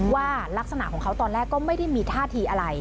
ว่ารักษณะของเขาตอนแรกก็ไม่ได้มีท่าทีอะไร